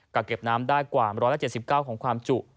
กักเก็บน้ำได้กว่า๑๗๙ของความจุ